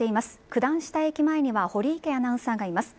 九段下駅前には堀池アナウンサーがいます。